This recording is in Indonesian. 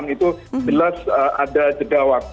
itu jelas ada jedawak